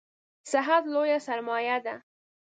صحت لویه سرمایه ده